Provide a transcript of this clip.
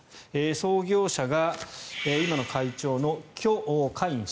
創業者が今の会長のキョ・カイン氏。